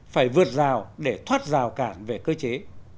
phải vượt rào để thoát rào cản về cơ chế